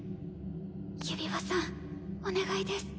指輪さんお願いです。